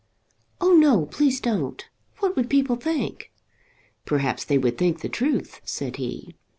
"Oh, no; please don't. What would people think?" "Perhaps they would think the truth," said he.